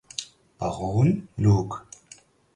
Baron Luke.